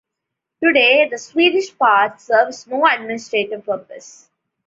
Today, the Swedish part serves no administrative purpose.